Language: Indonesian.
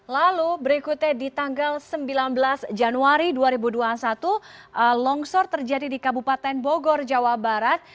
lalu berikutnya di tanggal sembilan belas januari dua ribu dua puluh satu longsor terjadi di kabupaten bogor jawa barat